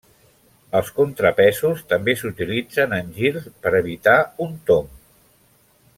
Els contrapesos també s'utilitzen en girs per evitar un tomb.